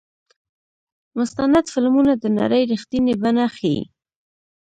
مستند فلمونه د نړۍ رښتینې بڼه ښيي.